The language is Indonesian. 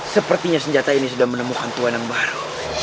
sepertinya senjata ini sudah menemukan tuhan yang baru